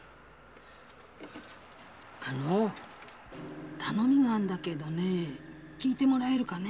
あの頼みがあるんだけど聞いてもらえるかね？